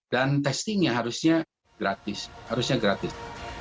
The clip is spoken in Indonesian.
dan testingnya harusnya gratis